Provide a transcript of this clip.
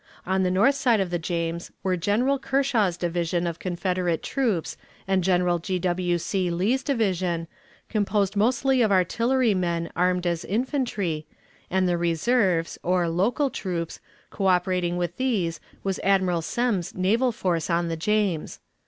On the north side of the James were General Kershaw's division of Confederate troops and General G. W. C, Lee's division, composed mostly of artillery men armed as infantry, and the "reserves," or "local troops," coöperating with these was Admiral Semmes's naval force on the James.